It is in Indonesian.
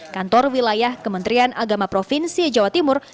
kantor wilayah kementerian agama provinsi jawa timur